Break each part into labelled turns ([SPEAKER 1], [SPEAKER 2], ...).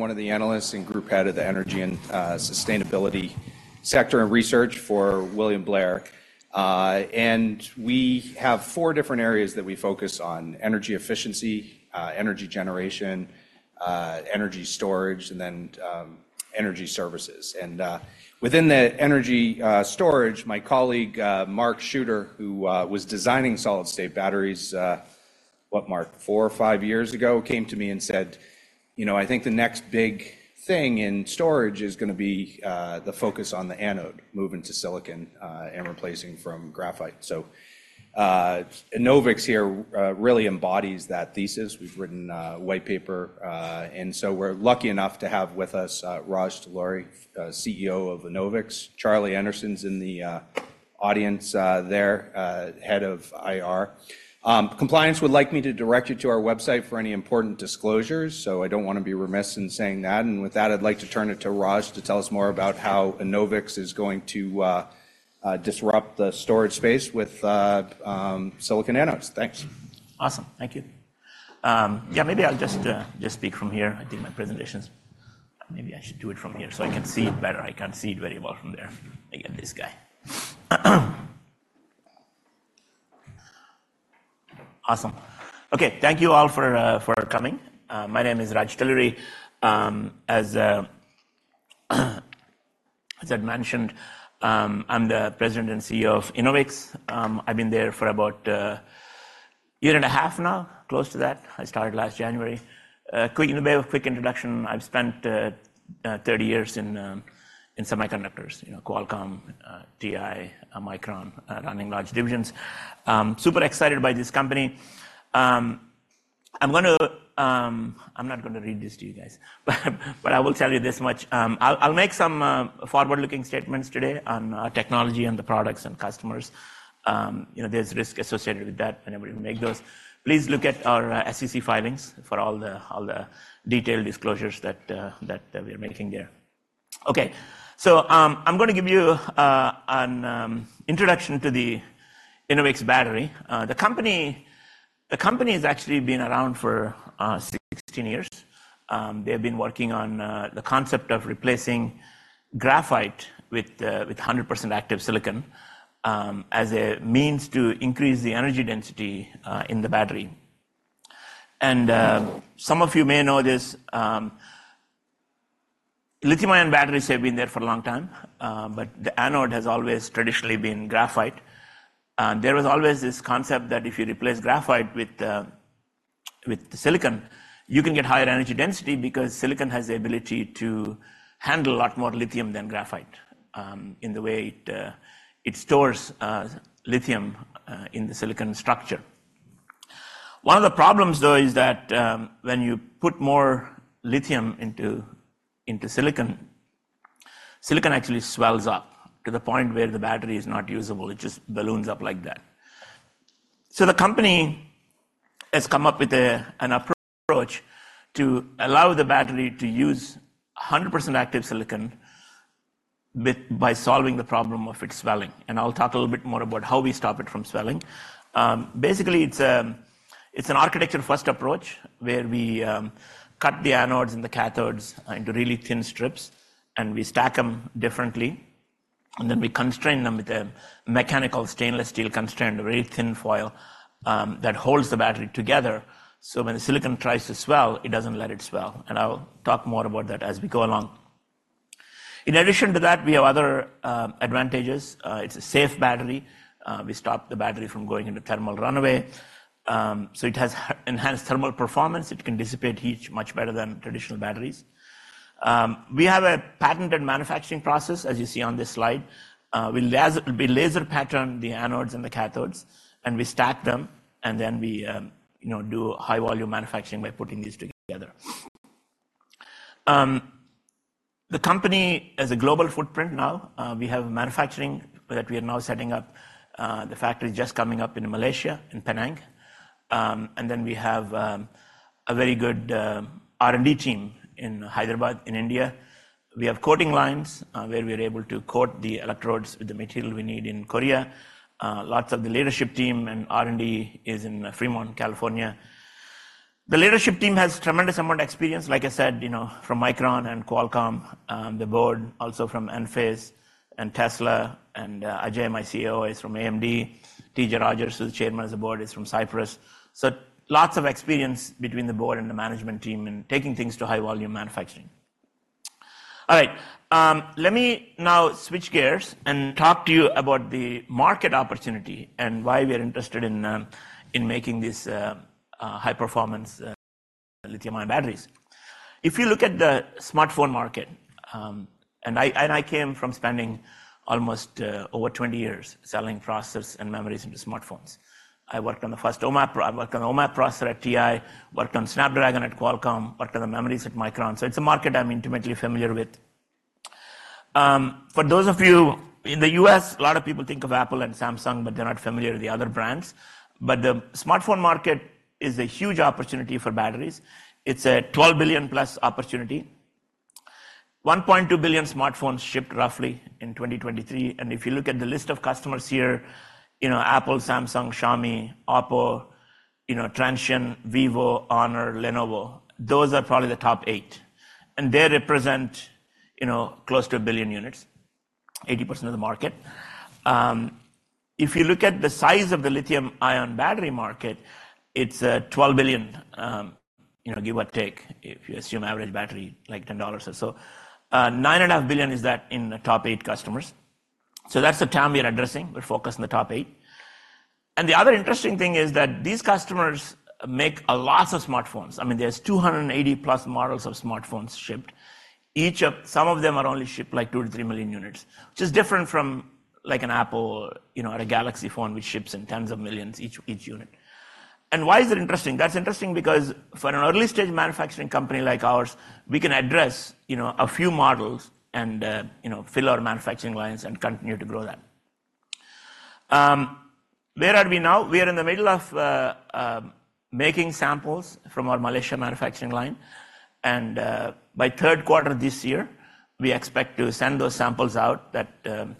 [SPEAKER 1] I'm one of the analysts and group head of the energy and sustainability sector and research for William Blair. And we have four different areas that we focus on: energy efficiency, energy generation, energy storage, and then energy services. And within the energy storage, my colleague Mark Schooter, who was designing solid state batteries, what, Mark? Four or five years ago, came to me and said, "You know, I think the next big thing in storage is gonna be the focus on the anode, moving to silicon and replacing from graphite." So Enovix here really embodies that thesis. We've written a white paper, and so we're lucky enough to have with us Raj Talluri, CEO of Enovix. Charlie Anderson's in the audience there, head of IR. Compliance would like me to direct you to our website for any important disclosures, so I don't wanna be remiss in saying that. With that, I'd like to turn it to Raj to tell us more about how Enovix is going to disrupt the storage space with silicon anodes. Thanks.
[SPEAKER 2] Awesome. Thank you. Yeah, maybe I'll just speak from here. I do my presentations. Maybe I should do it from here so I can see it better. I can't see it very well from there. I get this guy. Awesome. Okay, thank you all for coming. My name is Raj Talluri. As I'd mentioned, I'm the President and CEO of Enovix. I've been there for about a year and a half now, close to that. I started last January. Quick, by way of a quick introduction, I've spent 30 years in semiconductors, you know, Qualcomm, TI, Micron, running large divisions. I'm super excited by this company. I'm gonna. I'm not going to read this to you guys, but I will tell you this much: I'll make some forward-looking statements today on our technology and the products and customers. You know, there's risk associated with that whenever you make those. Please look at our SEC filings for all the detailed disclosures that we are making there. Okay, so I'm gonna give you an introduction to the Enovix battery. The company has actually been around for 16 years. They have been working on the concept of replacing graphite with 100% active silicon as a means to increase the energy density in the battery. Some of you may know this, lithium-ion batteries have been there for a long time, but the anode has always traditionally been graphite. There was always this concept that if you replace graphite with silicon, you can get higher energy density because silicon has the ability to handle a lot more lithium than graphite, in the way it stores lithium in the silicon structure. One of the problems, though, is that, when you put more lithium into silicon, silicon actually swells up to the point where the battery is not usable. It just balloons up like that. So the company has come up with an approach to allow the battery to use 100% active silicon by solving the problem of it swelling, and I'll talk a little bit more about how we stop it from swelling. Basically, it's an architecture-first approach, where we cut the anodes and the cathodes into really thin strips, and we stack them differently. And then we constrain them with a mechanical stainless steel constraint, a very thin foil, that holds the battery together. So when the silicon tries to swell, it doesn't let it swell, and I'll talk more about that as we go along. In addition to that, we have other advantages. It's a safe battery. We stop the battery from going into thermal runaway. So it has enhanced thermal performance. It can dissipate heat much better than traditional batteries. We have a patented manufacturing process, as you see on this slide. We'll laser pattern the anodes and the cathodes, and we stack them, and then we, you know, do high-volume manufacturing by putting these together. The company has a global footprint now. We have manufacturing that we are now setting up, the factory just coming up in Malaysia, in Penang. And then we have a very good R&D team in Hyderabad, in India. We have coating lines where we are able to coat the electrodes with the material we need in Korea. Lots of the leadership team and R&D is in Fremont, California. The leadership team has tremendous amount of experience, like I said, you know, from Micron and Qualcomm, the board, also from Enphase and Tesla, and, Ajay, my COO, is from AMD. T.J. Rodgers, who's the chairman of the board, is from Cypress. So lots of experience between the board and the management team in taking things to high-volume manufacturing. All right, let me now switch gears and talk to you about the market opportunity and why we are interested in, in making these, high-performance, lithium-ion batteries. If you look at the smartphone market, and I came from spending almost over 20 years selling processors and memories into smartphones. I worked on the OMAP processor at TI, worked on Snapdragon at Qualcomm, worked on the memories at Micron. So it's a market I'm intimately familiar with. For those of you... In the U.S., a lot of people think of Apple and Samsung, but they're not familiar with the other brands. But the smartphone market is a huge opportunity for batteries. It's a $12 billion+ opportunity.... 1.2 billion smartphones shipped roughly in 2023. And if you look at the list of customers here, you know, Apple, Samsung, Xiaomi, Oppo, you know, Transsion, Vivo, Honor, Lenovo, those are probably the top eight. And they represent, you know, close to a billion units, 80% of the market. If you look at the size of the lithium-ion battery market, it's $12 billion, you know, give or take, if you assume average battery, like $10 or so. $9.5 billion is that in the top eight customers. So that's the TAM we are addressing. We're focused on the top eight. And the other interesting thing is that these customers make a lot of smartphones. I mean, there's 280+ models of smartphones shipped. Some of them are only shipped, like 2-3 million units, which is different from like an Apple or, you know, a Galaxy phone, which ships in tens of millions, each, each unit. And why is it interesting? That's interesting because for an early-stage manufacturing company like ours, we can address, you know, a few models and, you know, fill our manufacturing lines and continue to grow that. Where are we now? We are in the middle of making samples from our Malaysia manufacturing line, and by third quarter this year, we expect to send those samples out to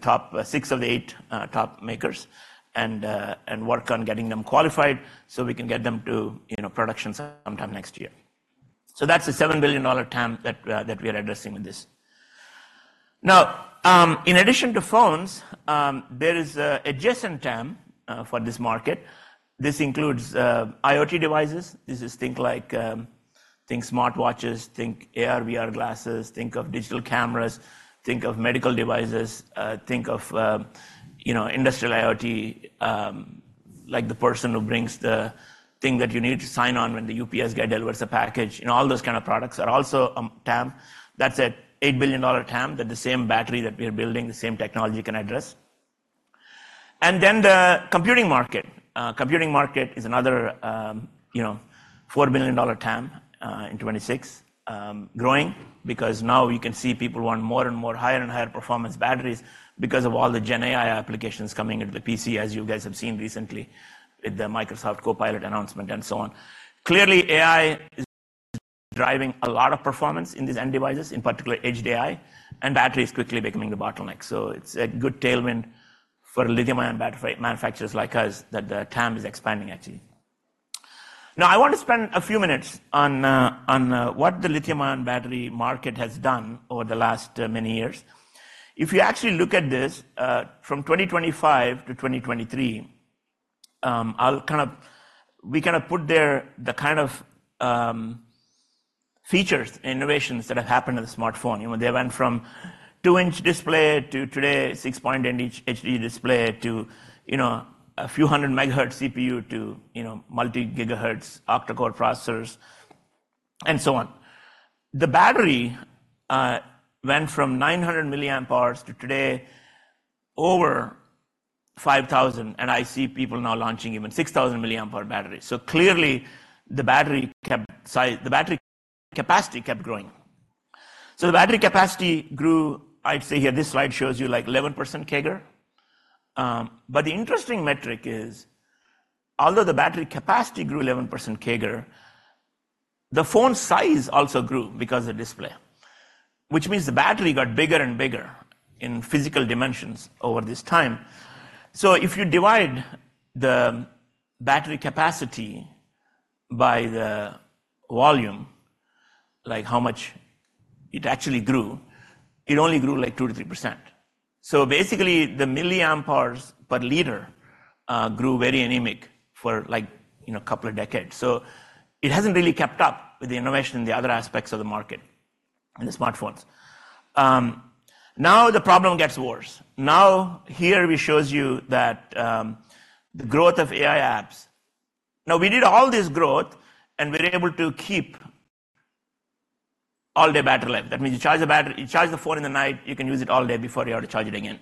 [SPEAKER 2] top 6 of the 8 top makers and work on getting them qualified so we can get them to, you know, production sometime next year. So that's a $7 billion TAM that we are addressing with this. Now, in addition to phones, there is an adjacent TAM for this market. This includes IoT devices. This is think like think smartwatches, think AR/VR glasses, think of digital cameras, think of medical devices, think of you know, industrial IoT, like the person who brings the thing that you need to sign on when the UPS guy delivers a package. You know, all those kind of products are also TAM. That's an $8 billion TAM that the same battery that we are building, the same technology can address. And then the computing market. Computing market is another, you know, $4 billion TAM in 2026. Growing, because now you can see people want more and more higher and higher performance batteries because of all the Gen AI applications coming into the PC, as you guys have seen recently with the Microsoft Copilot announcement and so on. Clearly, AI is driving a lot of performance in these end devices, in particular, Edge AI, and battery is quickly becoming the bottleneck. So it's a good tailwind for lithium-ion battery manufacturers like us, that the TAM is expanding actually. Now, I want to spend a few minutes on what the lithium-ion battery market has done over the last many years. If you actually look at this, from 2025 to 2023, I'll kind of—we kinda put there the kind of features and innovations that have happened on the smartphone. You know, they went from 2-inch display to today, 6.1-inch HD display to, you know, a few hundred megahertz CPU to, you know, multi-gigahertz octa-core processors, and so on. The battery went from 900 mAh to today, over 5,000, and I see people now launching even 6,000 mAh batteries. So clearly, the battery cap size—the battery capacity kept growing. So the battery capacity grew, I'd say here, this slide shows you, like, 11% CAGR. But the interesting metric is, although the battery capacity grew 11% CAGR, the phone size also grew because of display, which means the battery got bigger and bigger in physical dimensions over this time. So if you divide the battery capacity by the volume, like how much it actually grew, it only grew, like, 2%-3%. So basically, the milliamp hours per liter grew very anemic for like, you know, a couple of decades. So it hasn't really kept up with the innovation in the other aspects of the market in the smartphones. Now, the problem gets worse. Now, here we shows you that, the growth of AI apps. Now, we did all this growth, and we were able to keep all-day battery life. That means you charge the battery, you charge the phone in the night, you can use it all day before you have to charge it again.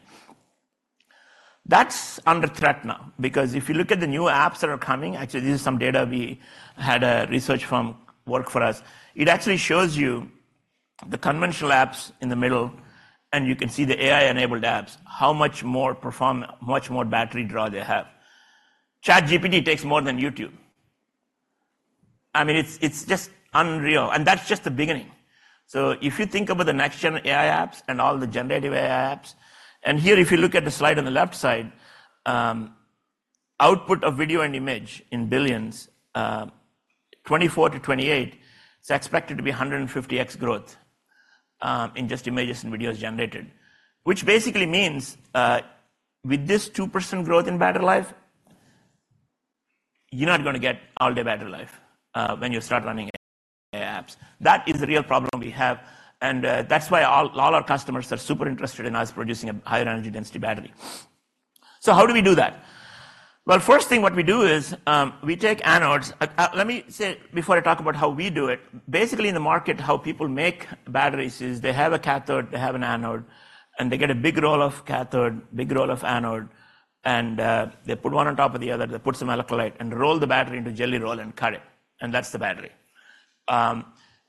[SPEAKER 2] That's under threat now, because if you look at the new apps that are coming... Actually, this is some data we had a research firm work for us. It actually shows you the conventional apps in the middle, and you can see the AI-enabled apps, how much more perform- much more battery draw they have. ChatGPT takes more than YouTube. I mean, it's, it's just unreal, and that's just the beginning. So if you think about the next-gen AI apps and all the generative AI apps, and here, if you look at the slide on the left side, output of video and image in billions, 2024-2028, it's expected to be a 150x growth, in just images and videos generated. Which basically means, with this 2% growth in battery life, you're not gonna get all-day battery life, when you start running AI apps. That is the real problem we have, and, that's why all, all our customers are super interested in us producing a higher energy density battery. So how do we do that? Well, first thing, what we do is, we take anodes. Let me say, before I talk about how we do it, basically, in the market, how people make batteries is they have a cathode, they have an anode, and they get a big roll of cathode, big roll of anode, and they put one on top of the other, they put some electrolyte and roll the battery into jelly roll and cut it. And that's the battery.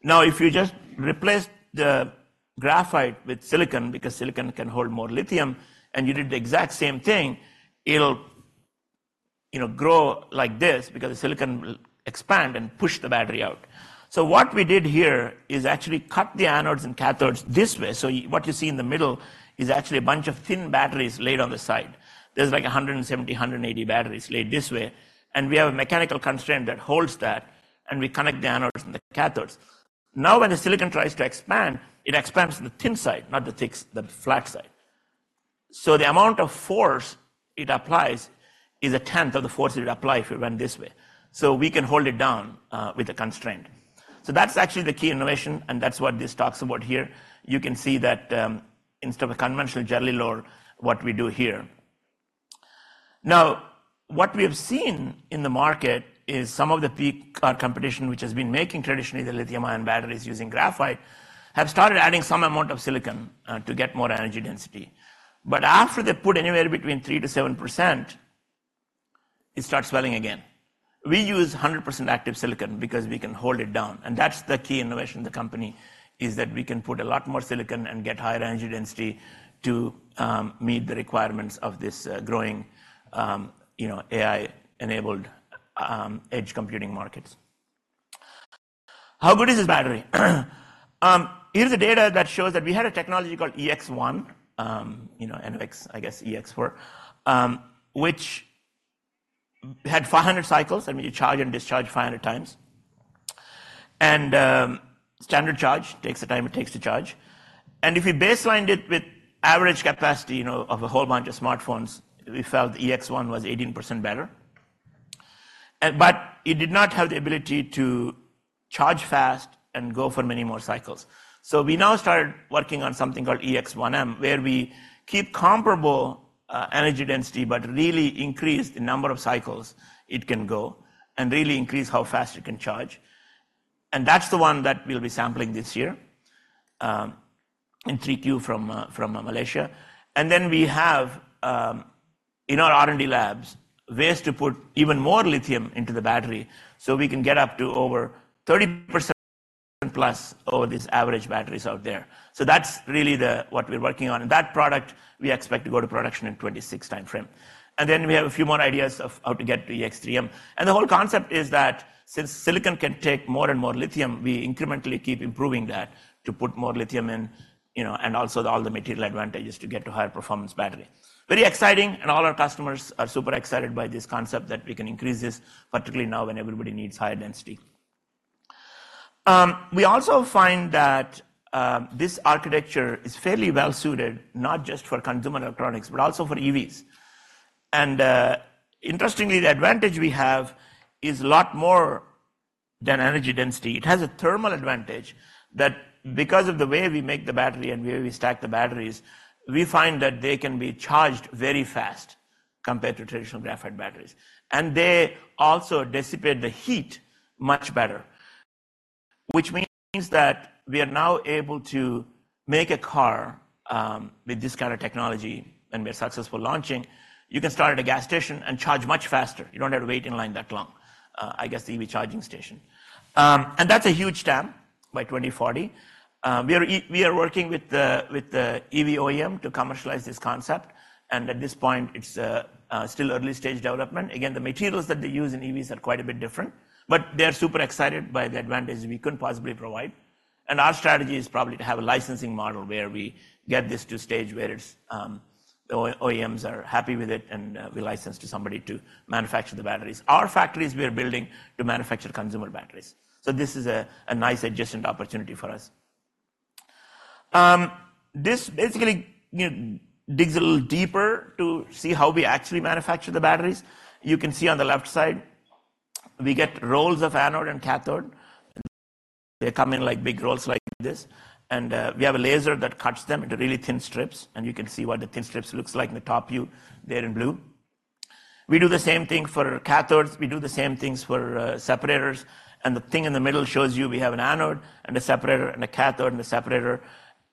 [SPEAKER 2] Now, if you just replace the graphite with silicon, because silicon can hold more lithium, and you did the exact same thing, it'll, you know, grow like this because the silicon will expand and push the battery out. So what we did here is actually cut the anodes and cathodes this way. So what you see in the middle is actually a bunch of thin batteries laid on the side. There's like 170-180 batteries laid this way, and we have a mechanical constraint that holds that, and we connect the anodes and the cathodes. Now, when the silicon tries to expand, it expands the thin side, not the thick, the flat side. So the amount of force it applies is a tenth of the force it would apply if it went this way. So we can hold it down with the constraint. So that's actually the key innovation, and that's what this talks about here. You can see that, instead of a conventional jelly roll, what we do here. Now, what we have seen in the market is some of the peak competition, which has been making traditionally the lithium-ion batteries using graphite, have started adding some amount of silicon to get more energy density. But after they put anywhere between 3%-7%, it starts swelling again. We use 100% active silicon because we can hold it down, and that's the key innovation of the company, is that we can put a lot more silicon and get higher energy density to meet the requirements of this growing, you know, AI-enabled edge computing markets. How good is this battery? Here's the data that shows that we had a technology called EX-1, you know, EX-1, which had 500 cycles, that means you charge and discharge 500 times. And standard charge takes the time it takes to charge. And if we baselined it with average capacity, you know, of a whole bunch of smartphones, we found the EX-1 was 18% better. But it did not have the ability to charge fast and go for many more cycles. So we now started working on something called EX-1M, where we keep comparable energy density, but really increase the number of cycles it can go and really increase how fast it can charge. And that's the one that we'll be sampling this year in 3Q from Malaysia. And then we have in our R&D labs ways to put even more lithium into the battery, so we can get up to over 30%+ over these average batteries out there. So that's really the what we're working on, and that product, we expect to go to production in 2026 time frame. And then we have a few more ideas of how to get to EX-3M. The whole concept is that since silicon can take more and more lithium, we incrementally keep improving that to put more lithium in, you know, and also all the material advantages to get to higher performance battery. Very exciting, and all our customers are super excited by this concept that we can increase this, particularly now when everybody needs higher density. We also find that this architecture is fairly well-suited not just for consumer electronics, but also for EVs. Interestingly, the advantage we have is a lot more than energy density. It has a thermal advantage that because of the way we make the battery and the way we stack the batteries, we find that they can be charged very fast compared to traditional graphite batteries. And they also dissipate the heat much better, which means that we are now able to make a car with this kind of technology, and we're successful launching. You can start at a gas station and charge much faster. You don't have to wait in line that long, I guess, the EV charging station. And that's a huge TAM by 2040. We are working with the EV OEM to commercialize this concept, and at this point, it's still early stage development. Again, the materials that they use in EVs are quite a bit different, but they are super excited by the advantage we couldn't possibly provide. And our strategy is probably to have a licensing model where we get this to a stage where it's OEMs are happy with it, and we license to somebody to manufacture the batteries. Our factories, we are building to manufacture consumer batteries. So this is a nice adjacent opportunity for us. This basically, you know, digs a little deeper to see how we actually manufacture the batteries. You can see on the left side, we get rolls of anode and cathode. They come in like big rolls like this, and we have a laser that cuts them into really thin strips, and you can see what the thin strips looks like in the top view there in blue. We do the same thing for cathodes. We do the same things for separators. The thing in the middle shows you we have an anode and a separator, and a cathode and a separator,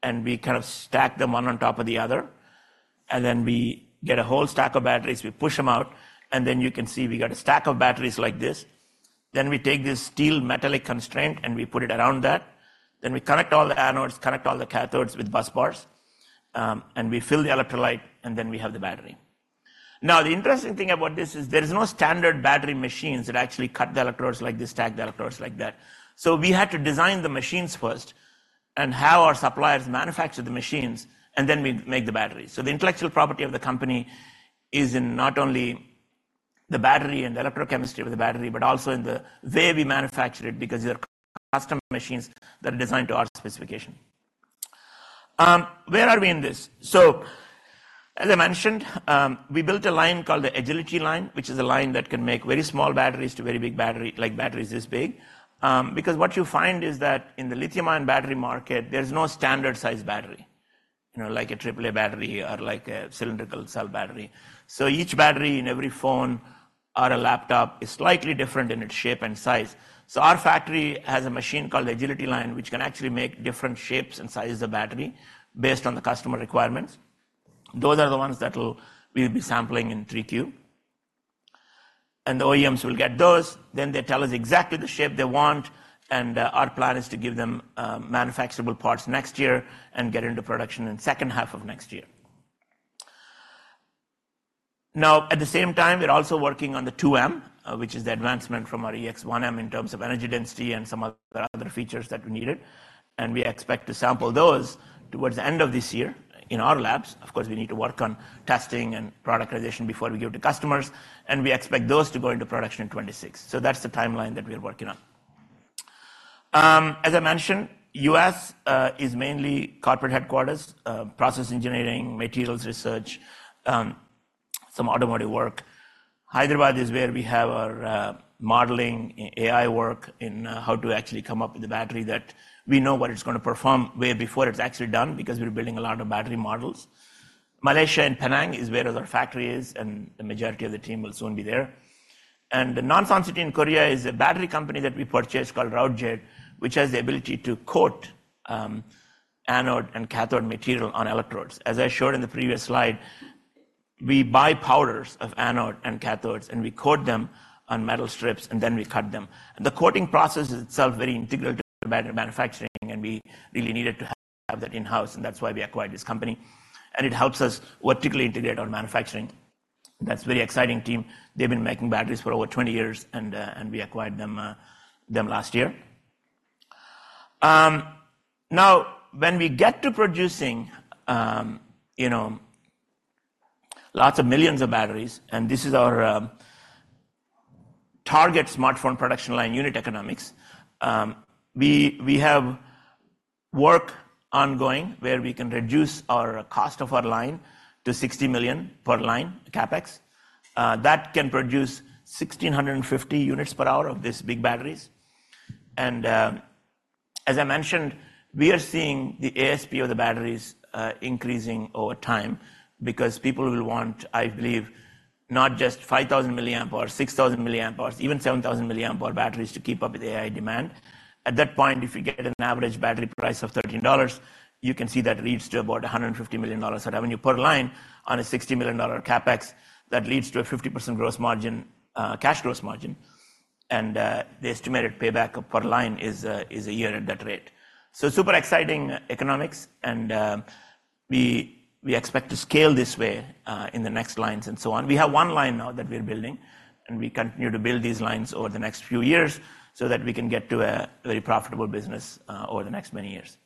[SPEAKER 2] and we kind of stack them one on top of the other. Then we get a whole stack of batteries, we push them out, and then you can see we got a stack of batteries like this. Then we take this steel metallic constraint, and we put it around that. Then we connect all the anodes, connect all the cathodes with busbars, and we fill the electrolyte, and then we have the battery. Now, the interesting thing about this is there is no standard battery machines that actually cut the electrodes like this, stack the electrodes like that. So we had to design the machines first and have our suppliers manufacture the machines, and then we make the batteries. So the intellectual property of the company is in not only the battery and the electrochemistry of the battery, but also in the way we manufacture it, because they're custom machines that are designed to our specification. Where are we in this? So, as I mentioned, we built a line called the Agility Line, which is a line that can make very small batteries to very big battery, like batteries this big. Because what you find is that in the lithium-ion battery market, there's no standard size battery, you know, like a AAA battery or like a cylindrical cell battery. So each battery in every phone or a laptop is slightly different in its shape and size. So our factory has a machine called the Agility Line, which can actually make different shapes and sizes of battery based on the customer requirements. Those are the ones that will... we'll be sampling in Q3. The OEMs will get those, then they tell us exactly the shape they want, and our plan is to give them manufacturable parts next year and get into production in the second half of next year. Now, at the same time, we're also working on the EX-2M, which is the advancement from our EX-1M in terms of energy density and some other features that we needed. We expect to sample those towards the end of this year in our labs. Of course, we need to work on testing and productization before we give to customers, and we expect those to go into production in 2026. That's the timeline that we are working on. As I mentioned, U.S. is mainly corporate headquarters, process engineering, materials research, some automotive work. Hyderabad is where we have our modeling AI work in how to actually come up with a battery that we know what it's gonna perform way before it's actually done, because we're building a lot of battery models. Malaysia, in Penang, is where our factory is, and the majority of the team will soon be there. Nonsan City in Korea is a battery company that we purchased called Routejade, which has the ability to coat anode and cathode material on electrodes. As I showed in the previous slide, we buy powders of anode and cathodes, and we coat them on metal strips, and then we cut them. The coating process is itself very integral to battery manufacturing, and we really needed to have that in-house, and that's why we acquired this company. And it helps us vertically integrate our manufacturing. That's a very exciting team. They've been making batteries for over 20 years, and we acquired them last year. Now, when we get to producing, you know, lots of millions of batteries, and this is our target smartphone production line unit economics, we have work ongoing where we can reduce our cost of our line to $60 million per line CapEx. That can produce 1,650 units per hour of these big batteries. As I mentioned, we are seeing the ASP of the batteries increasing over time because people will want, I believe, not just 5,000 milliamp hours, 6,000 milliamp hours, even 7,000 milliamp hour batteries to keep up with the AI demand. At that point, if you get an average battery price of $13, you can see that leads to about $150 million of revenue per line on a $60 million CapEx. That leads to a 50% gross margin, cash gross margin. The estimated payback per line is a year at that rate. Super exciting economics, and we expect to scale this way in the next lines and so on. We have one line now that we're building, and we continue to build these lines over the next few years so that we can get to a very profitable business, over the next many years.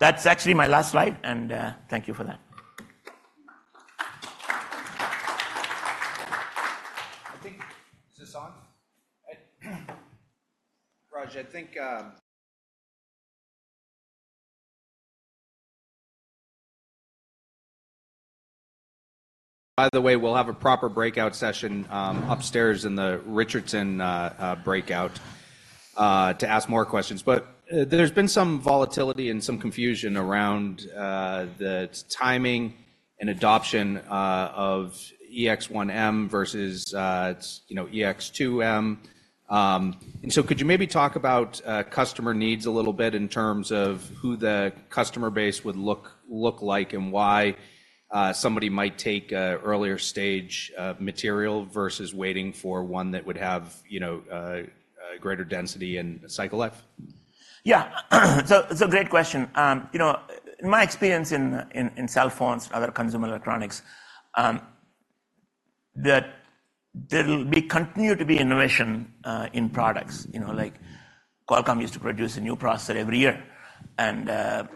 [SPEAKER 2] That's actually my last slide, and, thank you for that.
[SPEAKER 1] I think... Is this on? Raj, I think, by the way, we'll have a proper breakout session upstairs in the Richardson breakout to ask more questions. But there's been some volatility and some confusion around the timing and adoption of EX-1M versus, you know, EX-2M. So could you maybe talk about customer needs a little bit in terms of who the customer base would look like and why somebody might take an earlier stage material versus waiting for one that would have, you know, a greater density and cycle life?
[SPEAKER 2] Yeah. So, it's a great question. You know, in my experience in cell phones and other consumer electronics, that there will continue to be innovation in products. You know, like Qualcomm used to produce a new processor every year, and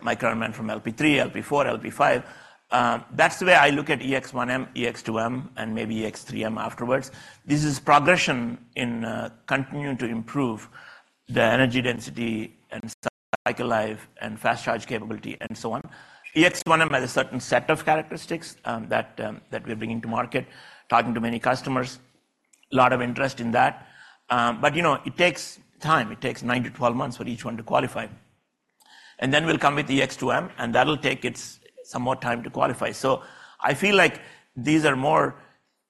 [SPEAKER 2] Micron went from LPDDR3, LPDDR4, LPDDR5. That's the way I look at EX-1M, EX-2M, and maybe EX-3M afterwards. This is progression in continuing to improve the energy density and cycle life and fast charge capability, and so on. EX-1M has a certain set of characteristics that we're bringing to market, talking to many customers, a lot of interest in that. But, you know, it takes time. It takes 9-12 months for each one to qualify. And then we'll come with EX-2M, and that'll take it some more time to qualify. So I feel like these are more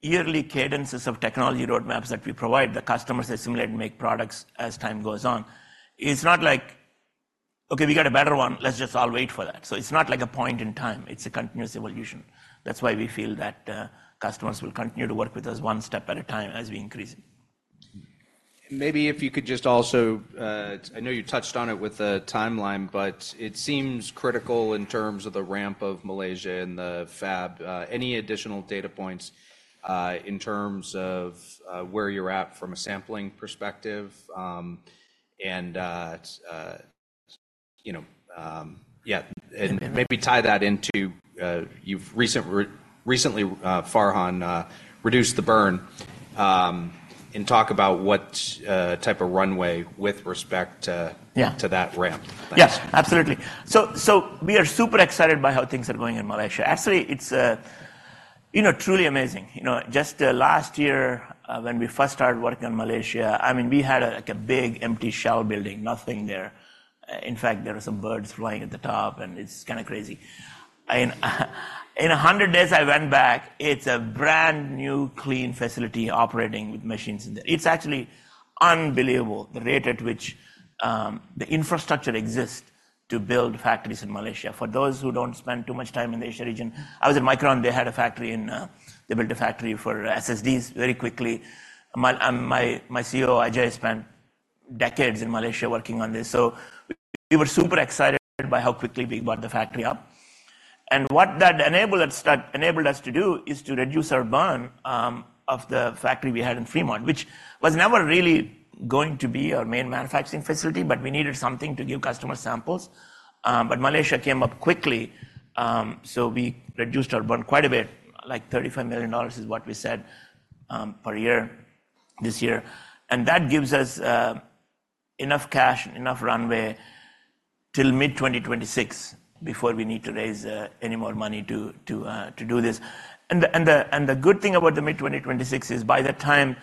[SPEAKER 2] yearly cadences of technology roadmaps that we provide the customers to assimilate and make products as time goes on. It's not like, "Okay, we got a better one, let's just all wait for that." So it's not like a point in time, it's a continuous evolution. That's why we feel that customers will continue to work with us one step at a time as we increase it.
[SPEAKER 1] Maybe if you could just also, I know you touched on it with the timeline, but it seems critical in terms of the ramp of Malaysia and the fab. Any additional data points in terms of where you're at from a sampling perspective? And you know, yeah, and maybe tie that into recently Farhan reduced the burn and talk about what type of runway with respect to-
[SPEAKER 2] Yeah.
[SPEAKER 1] to that ramp.
[SPEAKER 2] Yes, absolutely. So we are super excited by how things are going in Malaysia. Actually, it's, you know, truly amazing. You know, just last year, when we first started working in Malaysia, I mean, we had, like, a big, empty shell building, nothing there. In fact, there were some birds flying at the top, and it's kind of crazy. In 100 days, I went back, it's a brand-new, clean facility operating with machines in there. It's actually unbelievable, the rate at which the infrastructure exists to build factories in Malaysia. For those who don't spend too much time in the Asia region, I was at Micron, they had a factory in-- they built a factory for SSDs very quickly. My CEO, Ajay, spent decades in Malaysia working on this. So we were super excited by how quickly we bought the factory up. And what that enabled us, that enabled us to do is to reduce our burn, of the factory we had in Fremont, which was never really going to be our main manufacturing facility, but we needed something to give customer samples. But Malaysia came up quickly, so we reduced our burn quite a bit, like $35 million is what we said, per year, this year. And that gives us, enough cash and enough runway till mid-2026 before we need to raise, any more money to do this. And the good thing about the mid-2026 is, by that time,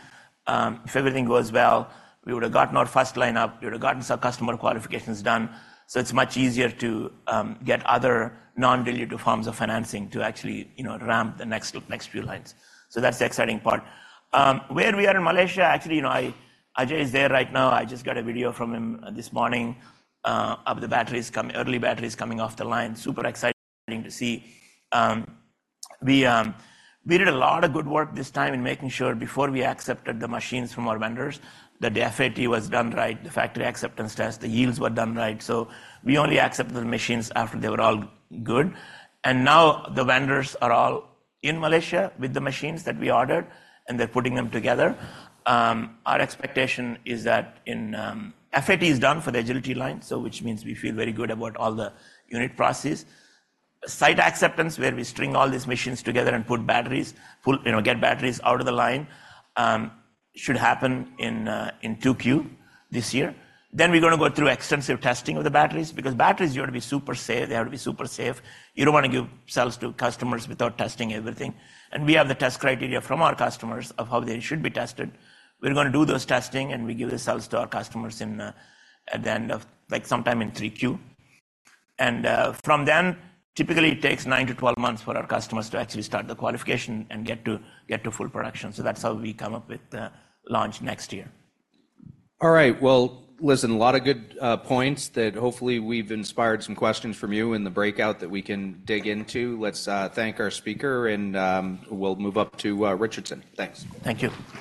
[SPEAKER 2] if everything goes well, we would have gotten our first line up, we would have gotten some customer qualifications done. So it's much easier to get other non-dilutive forms of financing to actually, you know, ramp the next few lines. So that's the exciting part. Where we are in Malaysia, actually, you know, I, Ajay is there right now. I just got a video from him this morning, of the batteries coming, early batteries coming off the line. Super exciting to see. We did a lot of good work this time in making sure before we accepted the machines from our vendors, that the FAT was done right, the factory acceptance test, the yields were done right. So we only accepted the machines after they were all good. And now the vendors are all in Malaysia with the machines that we ordered, and they're putting them together. Our expectation is that in... FAT is done for the Agility Line, so which means we feel very good about all the unit processes. Site acceptance, where we string all these machines together and put batteries, you know, get batteries out of the line, should happen in 2Q this year. Then we're gonna go through extensive testing of the batteries, because batteries, you want to be super safe. They have to be super safe. You don't want to give cells to customers without testing everything. And we have the test criteria from our customers of how they should be tested. We're gonna do those testing, and we give the cells to our customers in at the end of, like, sometime in 3Q. And from then, typically it takes nine to 12 months for our customers to actually start the qualification and get to full production. That's how we come up with the launch next year.
[SPEAKER 1] All right. Well, listen, a lot of good points that hopefully we've inspired some questions from you in the breakout that we can dig into. Let's thank our speaker, and we'll move up to Richardson. Thanks.
[SPEAKER 2] Thank you.